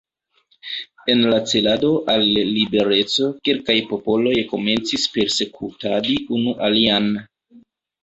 En la celado al libereco kelkaj popoloj komencis persekutadi unu alian.